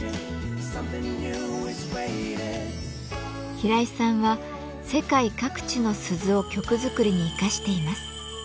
平井さんは世界各地の鈴を曲作りに生かしています。